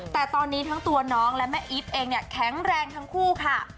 แต่ตอนนี้ทั้งตัวน้องและแม่อีฟเองเนี่ยแข็งแรงทั้งคู่ค่ะ